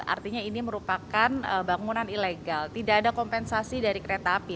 artinya ini merupakan bangunan ilegal tidak ada kompensasi dari kereta api